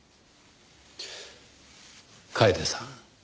楓さん